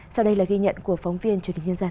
sau đây là ghi nhận của phóng viên truyền hình nhân dân